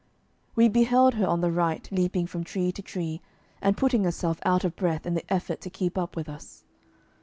We beheld her on the right leaping from tree to tree, and putting herself out of breath in the effort to keep up with us.